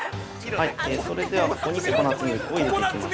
◆それでは、ここにココナッツミルクを入れていきます。